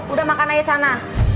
udah makan aja sana